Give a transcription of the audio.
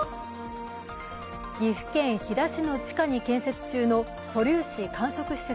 岐阜県飛騨市の地下に建設中の素粒子観測施設